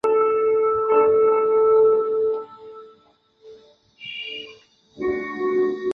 命令各乡镇所有干部守在各路口阻拦市民上镇减少游行人数。